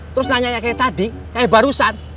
terus nanya kayak tadi kayak barusan